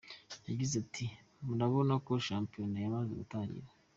Yagize ati “Murabona ko shampiyona yamaze gutangira.